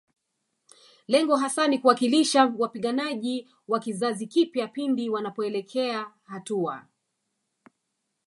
Lengo hasa ni kuwawakilisha wapiganaji wa kizazi kipya pindi wanapoelekea hatua